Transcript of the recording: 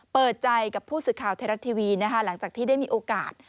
เปิดใจกับผู้สื่อข่าวไทยรัฐทีวีนะคะหลังจากที่ได้มีโอกาส